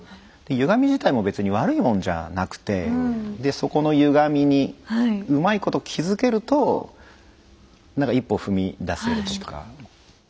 ゆがみ自体も別に悪いもんじゃなくてそこのゆがみにうまいこと気付けるとなんか一歩踏み出せる。